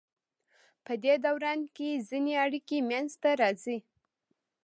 پدې دوران کې ځینې اړیکې منځ ته راځي.